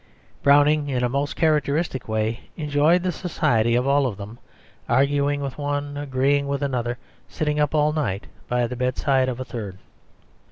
Browning, in a most characteristic way, enjoyed the society of all of them, arguing with one, agreeing with another, sitting up all night by the bedside of a third.